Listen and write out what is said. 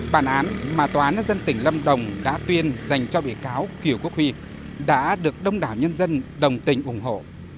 bản án mà tòa án nhân dân tỉnh lâm đồng đã tuyên dành cho bị cáo kiều quốc huy đã được đông đảo nhân dân đồng tình ủng hộ